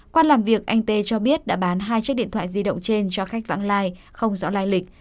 qua làm việc anh tê cho biết đã bán hai chiếc điện thoại di động trên cho khách vãng lai không rõ lai lịch